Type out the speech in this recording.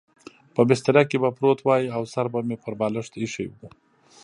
په بستره کې به پروت وای او سر به مې پر بالښت اېښی و.